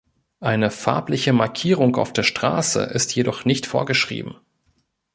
Eine farbliche Markierung auf der Straße ist jedoch nicht vorgeschrieben.